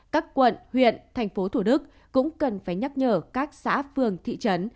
các quận huyện tp thủ đức cũng cần phải nhắc nhở các xã phường thị trấn